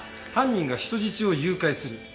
犯人が人質を誘拐する。